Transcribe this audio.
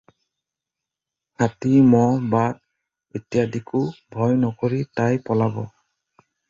হাতী, মহ, বাঘ ইত্যাদিকো ভয় নকৰি তাই পলাব।